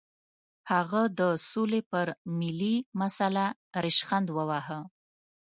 هغه د سولې پر ملي مسله ریشخند وواهه.